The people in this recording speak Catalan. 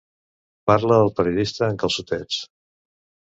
Parla el periodista en calçotets.